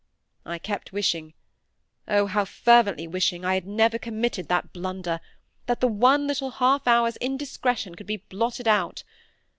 I kept wishing—oh! how fervently wishing I had never committed that blunder; that the one little half hour's indiscretion could be blotted out.